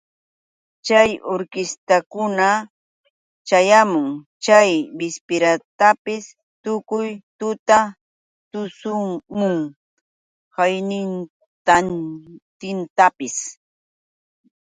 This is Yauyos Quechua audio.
Chay urkistakunaña ćhayamun chay bispira ta tukuy tuta tushun qaynintintapis.